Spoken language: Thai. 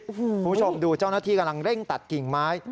คุณผู้ชมดูเจ้าหน้าที่กำลังเร่งตัดกิ่งไม้